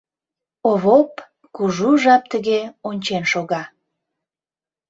Овоп кужу жап тыге ончен шога.